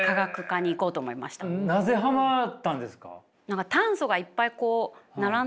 なぜハマったんですか？